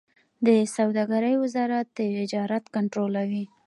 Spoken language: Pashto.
د سوداګرۍ وزارت تجارت کنټرولوي